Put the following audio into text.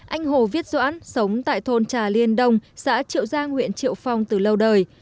anh hồ viết doãn sống tại thôn trà liên đông xã triệu giang huyện triệu phong từ lâu đời